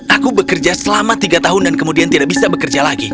aku bekerja selama tiga tahun dan kemudian tidak bisa bekerja lagi